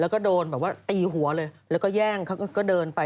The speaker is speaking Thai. แล้วก็โดนแบบว่าตีหัวเลยแล้วก็แย่งเขาก็เดินไป